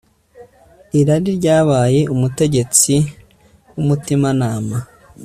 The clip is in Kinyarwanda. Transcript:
Irari ryabaye umutegetsi wumutimanama